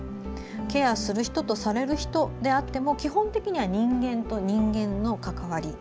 ケアする人とされる人であっても基本的には人間と人間の関わり。